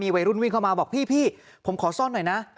วัยรุ่นวิ่งเข้ามาบอกพี่ผมขอซ่อนหน่อยนะ